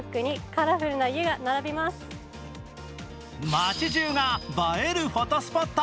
街じゅうが映えるフォトスポット。